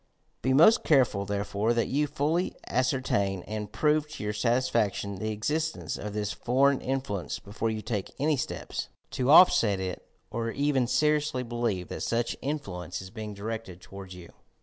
Be most careful, therefore, that you fully ascertain and prove to your satisfaction the exist ence of this foreign influence before you take any steps TOUR PSYCHIC POWERS to offset it or even seriously believe that such influence is being directed toward you.